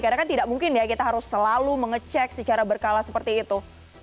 karena kan tidak mungkin ya kita harus selalu mengecek secara berkala seperti itu